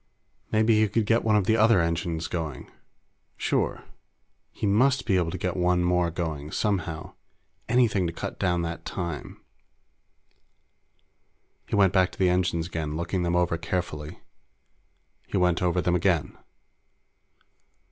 Maybe he could get one of the other engines going! Sure. He must be able to get one more going, somehow. Anything to cut down on that time! He went back to the engines again, looking them over carefully. He went over them again.